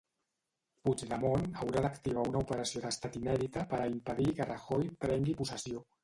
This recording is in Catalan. Puigdemont haurà d'activar una operació d'estat inèdita per a impedir que Rajoy prengui possessió.